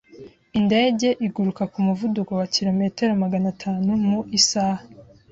Indege iguruka ku muvuduko wa kilometero magana atanu mu isaha.